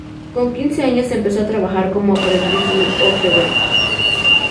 Con quince años empezó a trabajar como aprendiz de un orfebre.